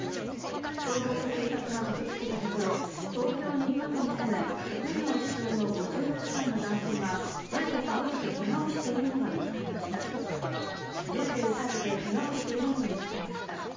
消防と警察が駆けつけたところ、東京・練馬区に住む職業不詳の５６歳の男性が、銃で撃たれてけがをしているのが見つかりました。